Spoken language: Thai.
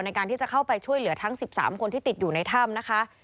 ในการที่จะเข้าไปช่วยเหลือทั้ง๑๓คนที่ติดอยู่ในถ้ำนะคะ